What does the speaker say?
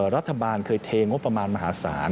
รัฐบาลเคยเทงบประมาณมหาศาล